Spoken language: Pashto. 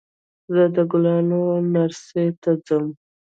زه د ګلانو نرسرۍ ته ځم.